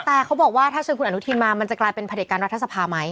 แต่เขาบอกว่าถ้าเชิญคุณอนุทินมามันจะกลายเป็นพระเด็จการรัฐสภาไหม